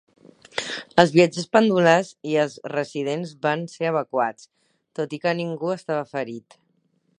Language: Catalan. Els viatgers pendulars i els residents van ser evacuats, tot i que ningú estava ferit.